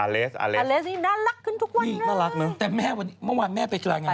อเลสนี่น่ารักขึ้นทุกวันน่ารักนะ